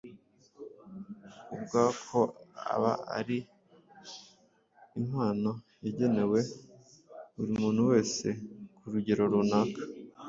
ubwako aba ari impano yagenewe buri muntu wese ku rugero runaka.